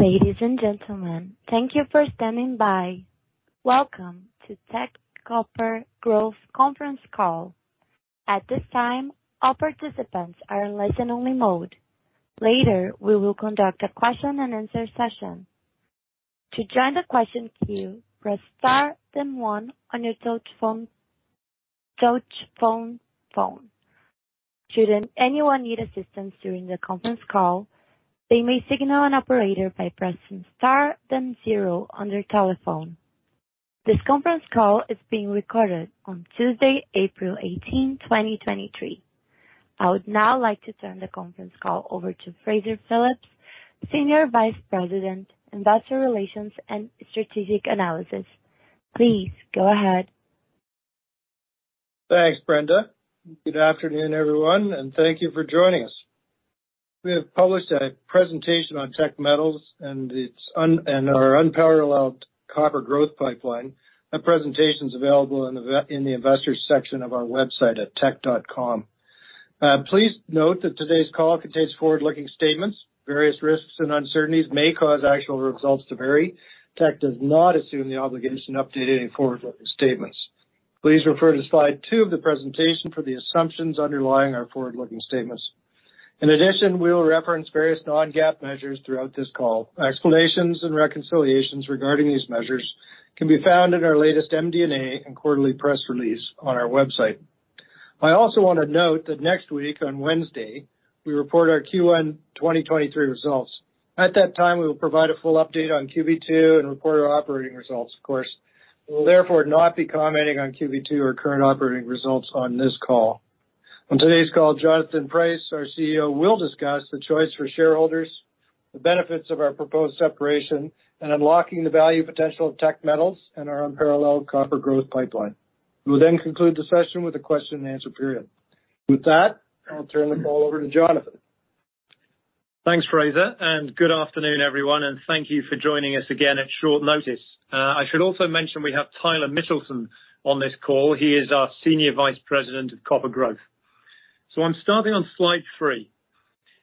Ladies and gentlemen, thank you for standing by. Welcome to Teck Copper Growth Conference Call. At this time, all participants are in listen-only mode. Later, we will conduct a question-and-answer session. To join the question queue, press star then one on your touch phone. Should anyone need assistance during the conference call, they may signal an operator by pressing star then zero on their telephone. This conference call is being recorded on Tuesday, April 18th, 2023. I would now like to turn the conference call over to Fraser Phillips, Senior Vice President, Investor Relations and Strategic Analysis. Please go ahead. Thanks, Brenda. Good afternoon, everyone, and thank you for joining us. We have published a presentation on Teck Metals and its and our unparalleled copper growth pipeline. That presentation's available in the investors section of our website at teck.com. Please note that today's call contains forward-looking statements. Various risks and uncertainties may cause actual results to vary. Teck does not assume the obligation to update any forward-looking statements. Please refer to slide two of the presentation for the assumptions underlying our forward-looking statements. In addition, we'll reference various non-GAAP measures throughout this call. Explanations and reconciliations regarding these measures can be found in our latest MD&A and quarterly press release on our website. I also wanna note that next week, on Wednesday, we report our Q1 2023 results. At that time, we will provide a full update on QB2 and report our operating results, of course. We'll therefore not be commenting on QB2 or current operating results on this call. On today's call, Jonathan Price, our CEO, will discuss the choice for shareholders, the benefits of our proposed separation, and unlocking the value potential of Teck Metals and our unparalleled copper growth pipeline. We'll then conclude the session with a question-and-answer period. With that, I'll turn the call over to Jonathan. Thanks, Fraser. Good afternoon, everyone, thank you for joining us again at short notice. I should also mention we have Tyler Mitchelson on this call. He is our Senior Vice President of Copper Growth. I'm starting on slide three.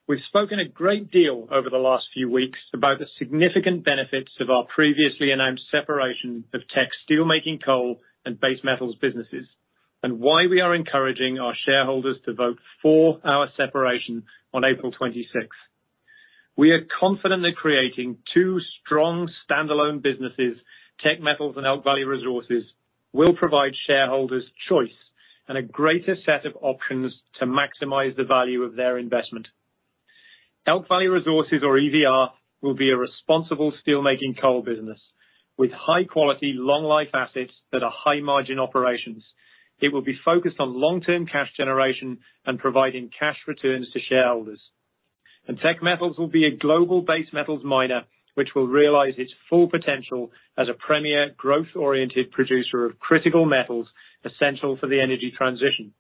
We've spoken a great deal over the last few weeks about the significant benefits of our previously announced separation of Teck's steelmaking coal and base metals businesses, why we are encouraging our shareholders to vote for our separation on April 26th. We are confidently creating two strong standalone businesses, Teck Metals and Elk Valley Resources, will provide shareholders choice and a greater set of options to maximize the value of their investment. Elk Valley Resources, or EVR, will be a responsible steelmaking coal business with high-quality, long-life assets that are high-margin operations. It will be focused on long-term cash generation and providing cash returns to shareholders. Teck Metals will be a global base metals miner, which will realize its full potential as a premier growth-oriented producer of critical metals, essential for the energy transition.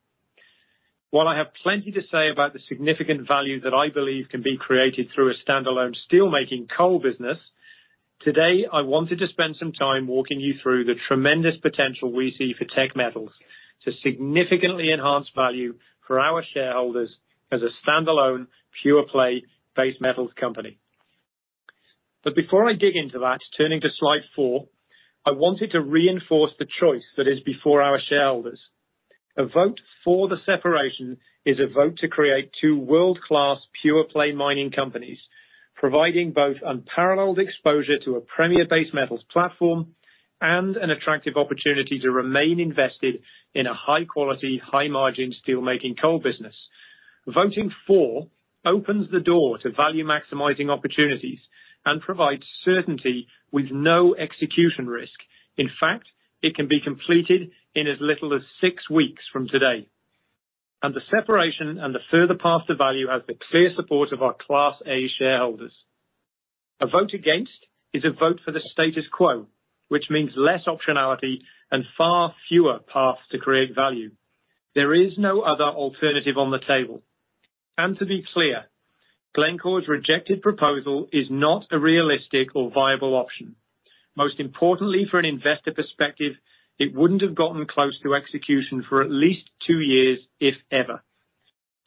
While I have plenty to say about the significant value that I believe can be created through a standalone steelmaking coal business, today, I wanted to spend some time walking you through the tremendous potential we see for Teck Metals to significantly enhance value for our shareholders as a standalone pure-play base metals company. Before I dig into that, turning to slide four, I wanted to reinforce the choice that is before our shareholders. A vote for the separation is a vote to create two world-class pure-play mining companies, providing both unparalleled exposure to a premier base metals platform and an attractive opportunity to remain invested in a high-quality, high-margin steelmaking coal business. Voting for opens the door to value-maximizing opportunities and provides certainty with no execution risk. In fact, it can be completed in as little as six weeks from today. The separation and the further path to value has the clear support of our Class A shareholders. A vote against is a vote for the status quo, which means less optionality and far fewer paths to create value. There is no other alternative on the table. To be clear, Glencore's rejected proposal is not a realistic or viable option. Most importantly, for an investor perspective, it wouldn't have gotten close to execution for at least two years, if ever.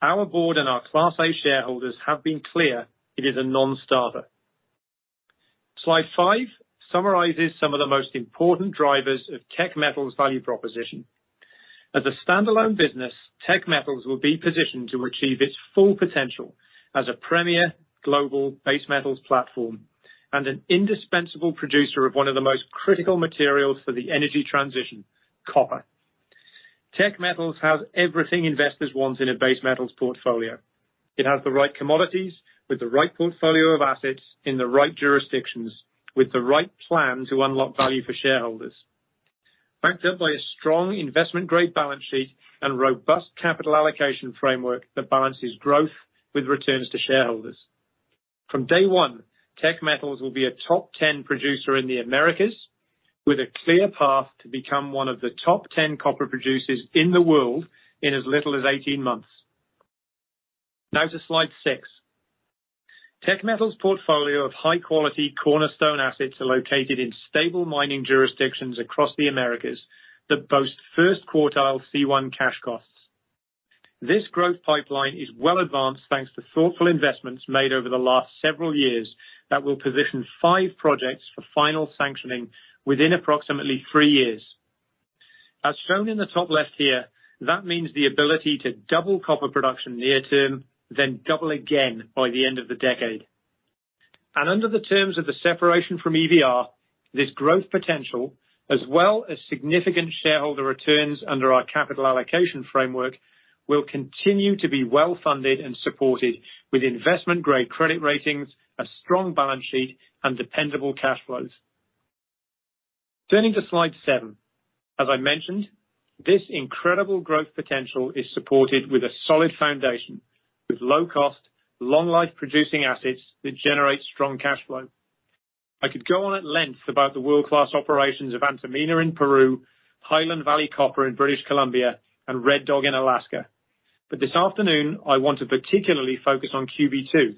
Our board and our Class A shareholders have been clear it is a non-starter. Slide five summarizes some of the most important drivers of Teck Metals' value proposition. As a standalone business, Teck Metals will be positioned to achieve its full potential as a premier global base metals platform and an indispensable producer of one of the most critical materials for the energy transition, copper. Teck Metals has everything investors want in a base metals portfolio. It has the right commodities with the right portfolio of assets in the right jurisdictions, with the right plan to unlock value for shareholders. Backed up by a strong investment-grade balance sheet and robust capital allocation framework that balances growth with returns to shareholders. From day one, Teck Metals will be a top 10 producer in the Americas with a clear path to become one of the top 10 copper producers in the world in as little as 18 months. Now to slide six. Teck Metals' portfolio of high-quality cornerstone assets are located in stable mining jurisdictions across the Americas that boast first quartile C1 cash costs. This growth pipeline is well advanced thanks to thoughtful investments made over the last several years that will position five projects for final sanctioning within approximately three years. As shown in the top left here, that means the ability to double copper production near term, then double again by the end of the decade. Under the terms of the separation from EVR, this growth potential, as well as significant shareholder returns under our capital allocation framework, will continue to be well-funded and supported with investment-grade credit ratings, a strong balance sheet and dependable cash flows. Turning to slide seven. As I mentioned, this incredible growth potential is supported with a solid foundation, with low cost, long life producing assets that generate strong cash flow. I could go on at length about the world-class operations of Antamina in Peru, Highland Valley Copper in British Columbia, and Red Dog in Alaska. This afternoon, I want to particularly focus on QB2.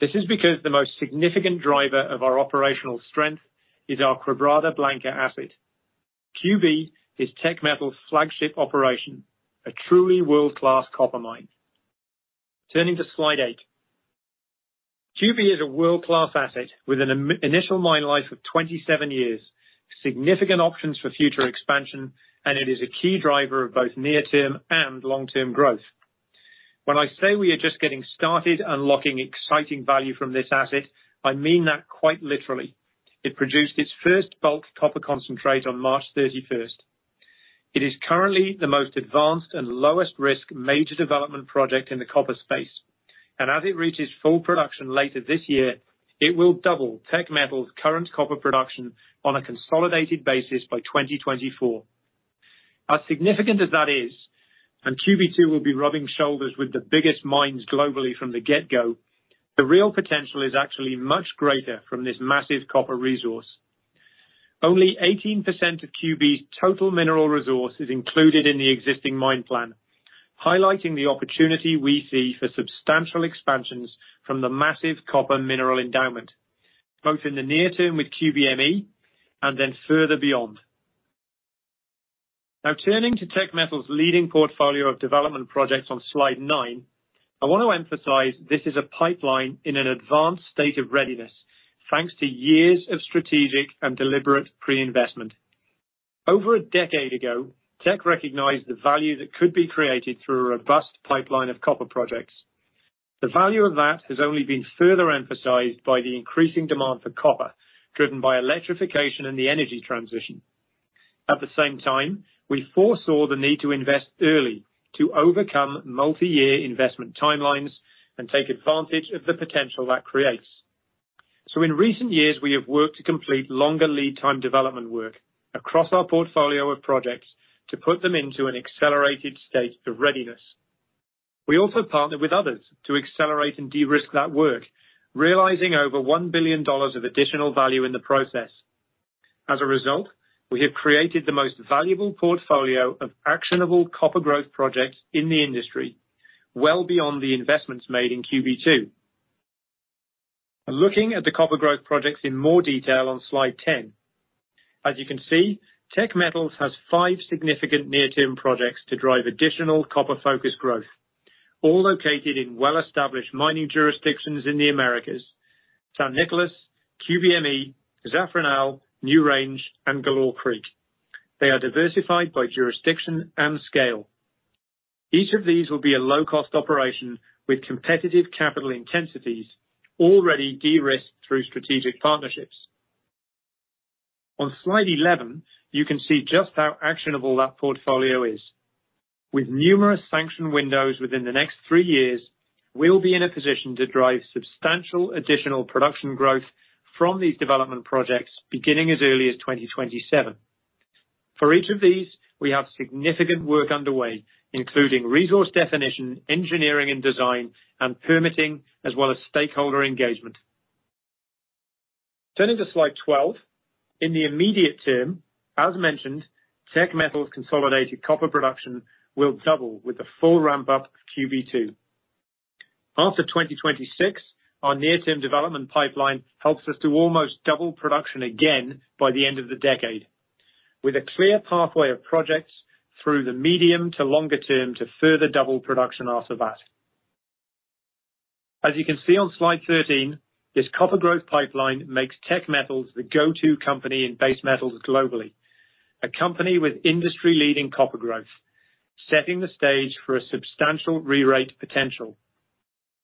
This is because the most significant driver of our operational strength is our Quebrada Blanca asset. QB is Teck Metals' flagship operation, a truly world-class copper mine. Turning to slide eight. QB is a world-class asset with an initial mine life of 27 years, significant options for future expansion, and it is a key driver of both near-term and long-term growth. When I say we are just getting started unlocking exciting value from this asset, I mean that quite literally. It produced its first bulk copper concentrate on March 31st. It is currently the most advanced and lowest risk major development project in the copper space. As it reaches full production later this year, it will double Teck Metals' current copper production on a consolidated basis by 2024. As significant as that is, QB2 will be rubbing shoulders with the biggest mines globally from the get-go, the real potential is actually much greater from this massive copper resource. Only 18% of QB's total mineral resource is included in the existing mine plan, highlighting the opportunity we see for substantial expansions from the massive copper mineral endowment, both in the near term with QBME and then further beyond. Turning to Teck Metals' leading portfolio of development projects on slide nine, I want to emphasize this is a pipeline in an advanced state of readiness, thanks to years of strategic and deliberate pre-investment. Over a decade ago, Teck recognized the value that could be created through a robust pipeline of copper projects. The value of that has only been further emphasized by the increasing demand for copper, driven by electrification and the energy transition. At the same time, we foresaw the need to invest early to overcome multi-year investment timelines and take advantage of the potential that creates. In recent years, we have worked to complete longer lead time development work across our portfolio of projects to put them into an accelerated state to readiness. We also partnered with others to accelerate and de-risk that work, realizing over 1 billion dollars of additional value in the process. As a result, we have created the most valuable portfolio of actionable copper growth projects in the industry, well beyond the investments made in QB2. Looking at the copper growth projects in more detail on slide 10. As you can see, Teck Metals has five significant near-term projects to drive additional copper-focused growth, all located in well-established mining jurisdictions in the Americas: San Nicolas, QBME, Zafranal, NewRange, and Galore Creek. They are diversified by jurisdiction and scale. Each of these will be a low-cost operation with competitive capital intensities already de-risked through strategic partnerships. On slide 11, you can see just how actionable that portfolio is. With numerous sanction windows within the next three years, we'll be in a position to drive substantial additional production growth from these development projects beginning as early as 2027. For each of these, we have significant work underway, including resource definition, engineering and design, and permitting, as well as stakeholder engagement. Turning to slide 12. In the immediate term, as mentioned, Teck Metals' consolidated copper production will double with the full ramp up of QB2. After 2026, our near-term development pipeline helps us to almost double production again by the end of the decade. With a clear pathway of projects through the medium to longer term to further double production after that. As you can see on slide 13, this copper growth pipeline makes Teck Metals the go-to company in base metals globally. A company with industry-leading copper growth, setting the stage for a substantial rerate potential,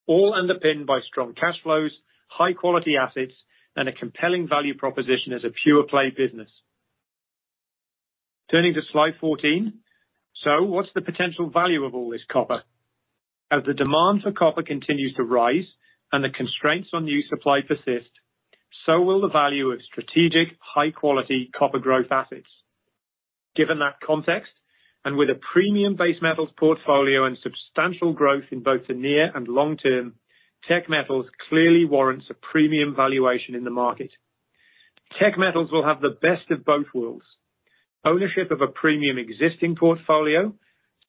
all underpinned by strong cash flows, high quality assets, and a compelling value proposition as a pure-play business. Turning to slide 14. What's the potential value of all this copper? As the demand for copper continues to rise and the constraints on new supply persist, so will the value of strategic, high-quality copper growth assets. Given that context, and with a premium-based metals portfolio and substantial growth in both the near and long-term, Teck Metals clearly warrants a premium valuation in the market. Teck Metals will have the best of both worlds: ownership of a premium existing portfolio,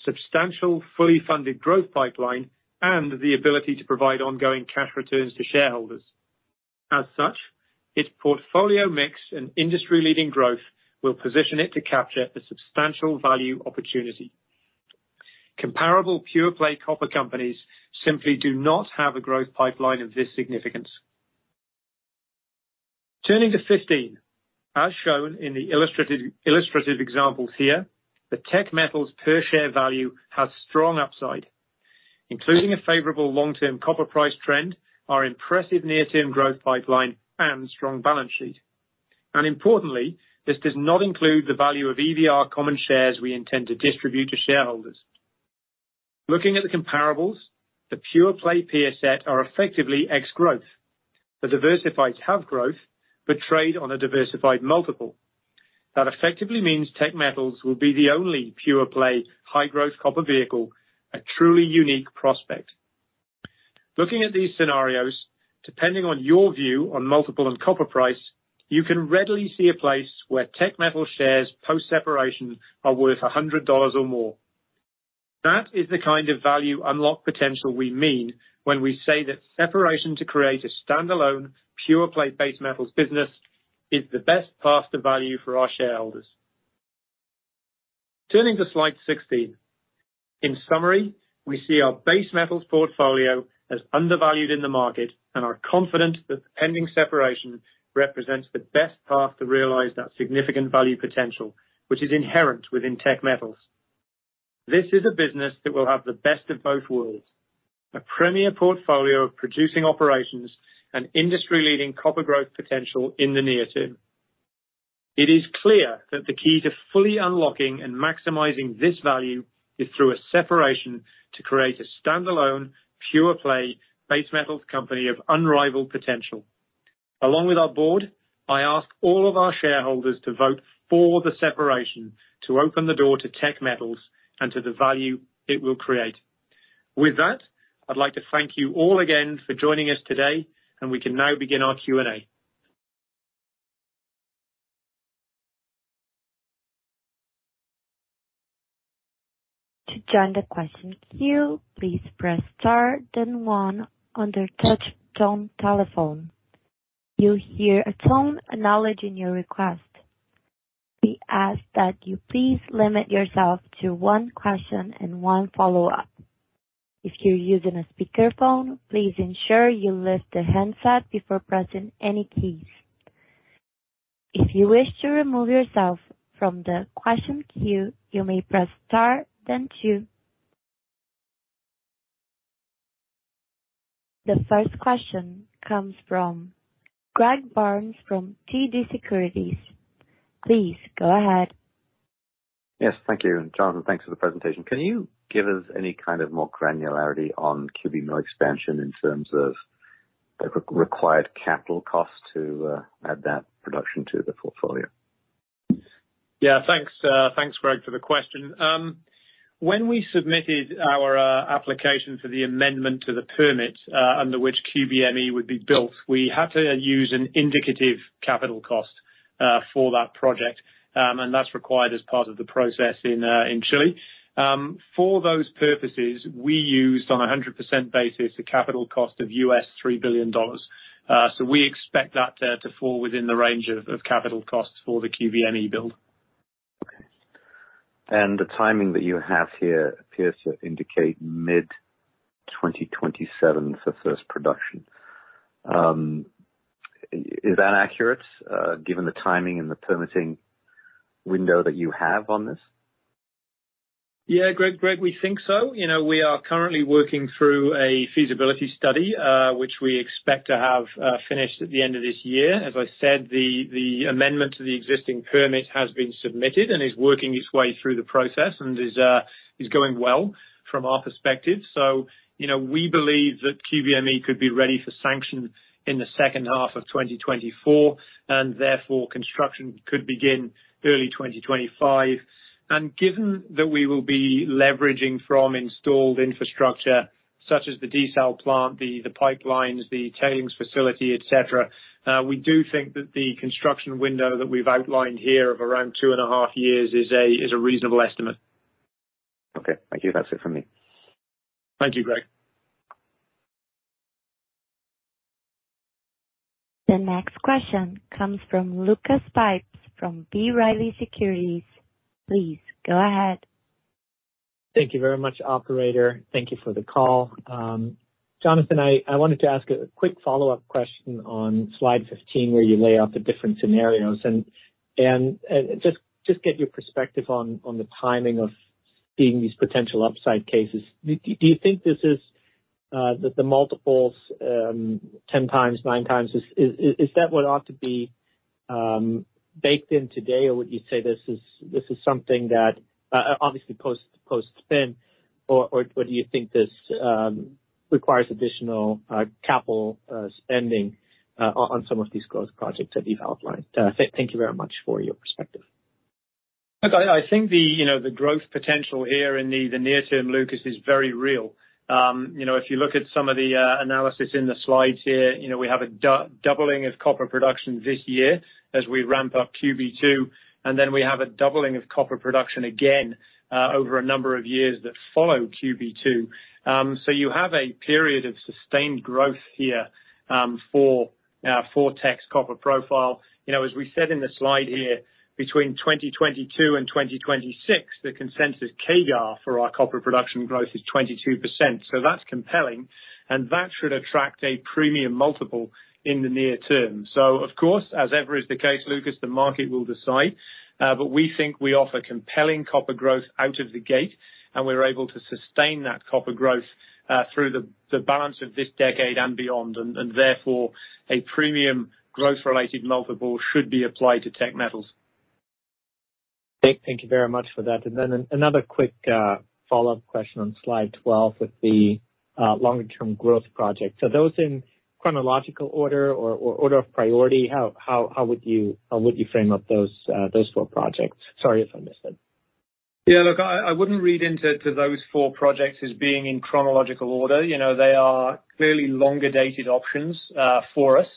substantial fully funded growth pipeline, and the ability to provide ongoing cash returns to shareholders. As such, its portfolio mix and industry-leading growth will position it to capture the substantial value opportunity. Comparable pure-play copper companies simply do not have a growth pipeline of this significance. Turning to 15. As shown in the illustrative examples here, the Teck Metals per share value has strong upside, including a favorable long-term copper price trend, our impressive near-term growth pipeline and strong balance sheet. Importantly, this does not include the value of EVR common shares we intend to distribute to shareholders. Looking at the comparables, the pure play peer set are effectively ex growth. The diversified have growth, trade on a diversified multiple. That effectively means Teck Metals will be the only pure play high growth copper vehicle, a truly unique prospect. Looking at these scenarios, depending on your view on multiple and copper price, you can readily see a place where Teck Metals shares post-separation are worth 100 dollars or more. That is the kind of value unlock potential we mean when we say that separation to create a standalone pure play base metals business is the best path to value for our shareholders. Turning to slide 16. In summary, we see our base metals portfolio as undervalued in the market and are confident that pending separation represents the best path to realize that significant value potential, which is inherent within Teck Metals. This is a business that will have the best of both worlds, a premier portfolio of producing operations and industry-leading copper growth potential in the near term. It is clear that the key to fully unlocking and maximizing this value is through a separation to create a standalone, pure play base metals company of unrivaled potential. Along with our board, I ask all of our shareholders to vote for the separation to open the door to Teck Metals and to the value it will create. With that, I'd like to thank you all again for joining us today. We can now begin our Q&A. To join the question queue, please press star then one on your touch tone telephone. You'll hear a tone acknowledging your request. We ask that you please limit yourself to one question and one follow-up. If you're using a speakerphone, please ensure you lift the handset before pressing any keys. If you wish to remove yourself from the question queue, you may press star then two. The first question comes from Greg Barnes from TD Securities. Please go ahead. Yes, thank you. Jonathan, thanks for the presentation. Can you give us any kind of more granularity on QB Mill Expansion in terms of the required capital cost to add that production to the portfolio? Yeah, thanks, Greg, for the question. When we submitted our application for the amendment to the permit, under which QBME would be built, we had to use an indicative capital cost for that project, and that's required as part of the process in Chile. For those purposes, we used on a 100% basis a capital cost of $3 billion. We expect that to fall within the range of capital costs for the QBME build. Okay. The timing that you have here appears to indicate mid-2027 for first production. Is that accurate given the timing and the permitting window that you have on this? Yeah, Greg, we think so. You know, we are currently working through a feasibility study, which we expect to have finished at the end of this year. As I said, the amendment to the existing permit has been submitted and is working its way through the process and is going well from our perspective. You know, we believe that QBME could be ready for sanction in the second half of 2024 and therefore construction could begin early 2025. Given that we will be leveraging from installed infrastructure such as the desal plant, the pipelines, the tailings facility, et cetera, we do think that the construction window that we've outlined here of around two and a half years is a reasonable estimate. Okay. Thank you. That's it for me. Thank you, Greg. The next question comes from Lucas Pipes from B. Riley Securities. Please go ahead. Thank you very much, operator. Thank you for the call. Jonathan, I wanted to ask a quick follow-up question on slide 15, where you lay out the different scenarios and just get your perspective on the timing of seeing these potential upside cases. Do you think this is the multiples, 10x, 9x is that what ought to be baked in today? Or would you say this is something that obviously post-spin? Or do you think this requires additional capital spending on some of these growth projects that you've outlined? Thank you very much for your perspective. Look, I think, you know, the growth potential here in the near term, Lucas, is very real. You know, if you look at some of the analysis in the slides here, you know, we have a doubling of copper production this year as we ramp up QB2, and then we have a doubling of copper production again over a number of years that follow QB2. You have a period of sustained growth here for Teck's copper profile. You know, as we said in the slide here, between 2022 and 2026, the consensus CAGR for our copper production growth is 22%. That's compelling, and that should attract a premium multiple in the near term. Of course, as ever is the case, Lucas, the market will decide, but we think we offer compelling copper growth out of the gate, and we're able to sustain that copper growth through the balance of this decade and beyond, and therefore a premium growth-related multiple should be applied to Teck Metals. Nick, thank you very much for that. Then another quick, follow-up question on slide 12 with the, longer term growth project. Those in chronological order or order of priority, how would you frame up those four projects? Sorry if I missed it. Yeah. Look, I wouldn't read into those four projects as being in chronological order. You know, they are clearly longer dated options for us.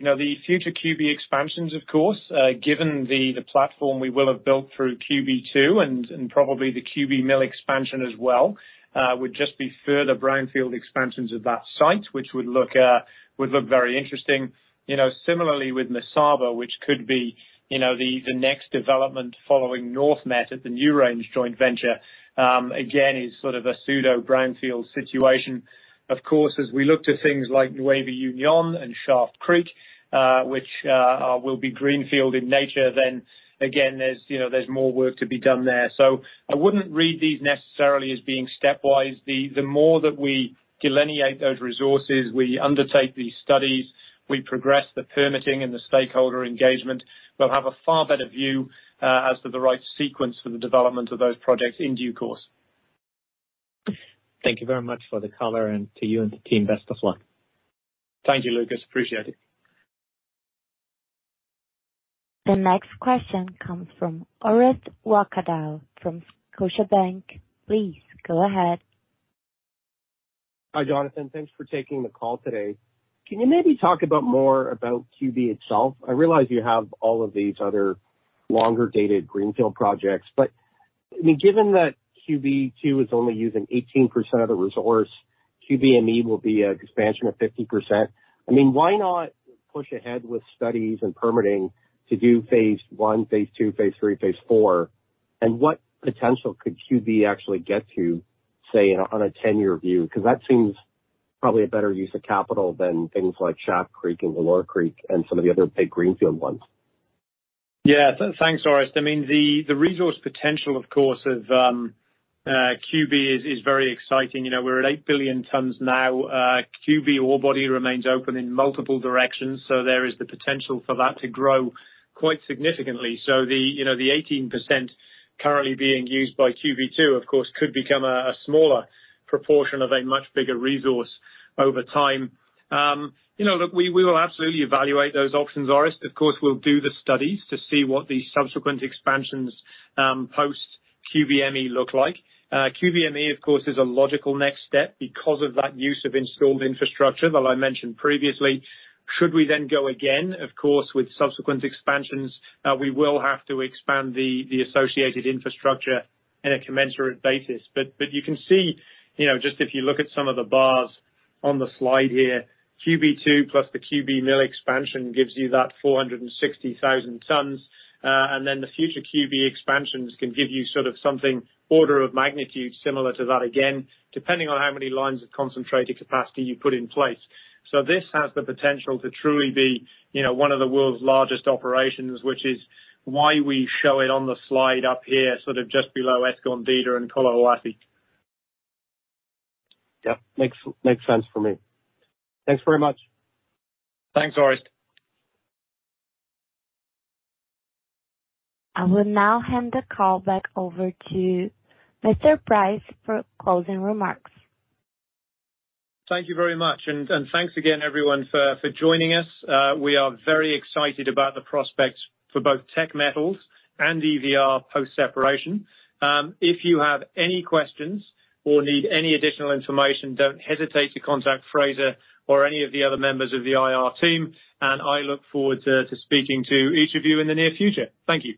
You know, the future QB expansions, of course, given the platform we will have built through QB2 and probably the QB Mill Expansion as well, would just be further brownfield expansions of that site, which would look very interesting. You know, similarly with Mesaba, which could be, you know, the next development following NorthMet at the NewRange joint venture, again, is sort of a pseudo brownfield situation. Of course, as we look to things like Nueva Union and Schaft Creek, which will be greenfield in nature, again, there's, you know, there's more work to be done there. I wouldn't read these necessarily as being stepwise. The more that we delineate those resources, we undertake these studies, we progress the permitting and the stakeholder engagement, we'll have a far better view as to the right sequence for the development of those projects in due course. Thank you very much for the color and to you and the team, best of luck. Thank you, Lucas. Appreciate it. The next question comes from Orest Wowkodaw from Scotiabank. Please go ahead. Hi, Jonathan. Thanks for taking the call today. Can you maybe talk about more about QB itself? I realize you have all of these other longer dated greenfield projects, but I mean, given that QB2 is only using 18% of the resource, QBME will be an expansion of 50%. I mean, why not push ahead with studies and permitting to do phase one, phase two, phase three, phase four? What potential could QB actually get to, say on a 10-year view? 'Cause that seems probably a better use of capital than things like Schaft Creek and Galore Creek and some of the other big greenfield ones. Yeah. Thanks, Orest. I mean, the resource potential, of course, of QB is very exciting. You know, we're at 8 billion tons now. QB ore body remains open in multiple directions, so there is the potential for that to grow quite significantly. The, you know, the 18% currently being used by QB2, of course, could become a smaller proportion of a much bigger resource over time. You know, look, we will absolutely evaluate those options, Orest. Of course, we'll do the studies to see what the subsequent expansions, post QBME look like. QBME, of course, is a logical next step because of that use of installed infrastructure that I mentioned previously. Should we then go again, of course, with subsequent expansions, we will have to expand the associated infrastructure in a commensurate basis. You can see, you know, just if you look at some of the bars on the slide here, QB2 plus the QB Mill Expansion gives you that 460,000 tons. The future QB expansions can give you sort of something order of magnitude similar to that again, depending on how many lines of concentrated capacity you put in place. This has the potential to truly be, you know, one of the world's largest operations, which is why we show it on the slide up here, sort of just below Escondida and Collahuasi. Yeah. Makes sense for me. Thanks very much. Thanks, Orest. I will now hand the call back over to Mr. Price for closing remarks. Thank you very much, and thanks again everyone for joining us. We are very excited about the prospects for both Teck Metals and EVR post-separation. If you have any questions or need any additional information, don't hesitate to contact Fraser or any of the other members of the IR team, and I look forward to speaking to each of you in the near future. Thank you.